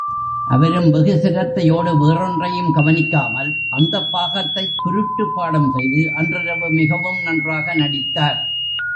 அவரும் வெகு சிரத்தையோடு, வேறொன்றையும் கவனிக்காமல், அந்தப் பாகத்தைக் குருட்டுப்பாடம் செய்து அன்றிரவு மிகவும் நன்றாக நடித்தார்.